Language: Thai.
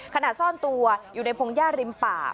ขณะซ่อนตัวอยู่ในพงศ์ย่าริมป่า